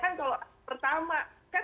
jadi benar benar belajar ke atas